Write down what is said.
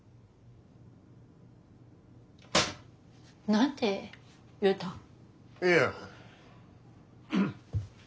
何て言うたん？いや。